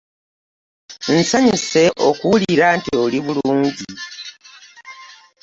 Nsanyuse okuwulira nti oli bulungi.